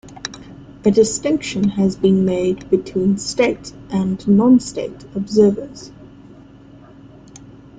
A distinction has been made between state and non-state observers.